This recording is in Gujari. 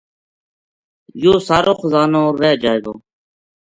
یوہ سارو خزانو رہ جائے گو